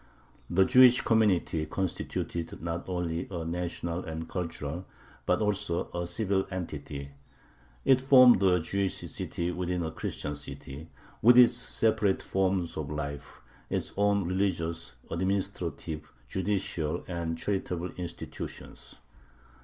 The Jewish community constituted not only a national and cultural, but also a civil, entity. It formed a Jewish city within a Christian city, with its separate forms of life, its own religious, administrative, judicial, and charitable institutions.